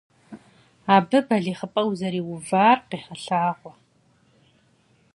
Абы балигъыпӏэ узэриувар къегъэлъагъуэ.